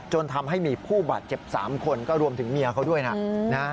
จนทำให้มีผู้บาดเจ็บ๓คนก็รวมถึงเมียเขาด้วยนะ